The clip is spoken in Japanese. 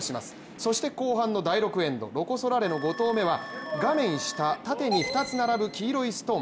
そして、後半第６エンドロコ・ソラーレの第６投目は画面下、縦に２つ並ぶ黄色いストーン。